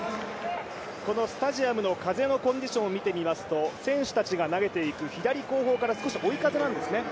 このスタジアムのコンディションを見てみますと選手たちが投げてくる左後方から追い風です。